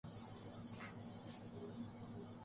کیجئے ہمارے ساتھ‘ عداوت ہی کیوں نہ ہو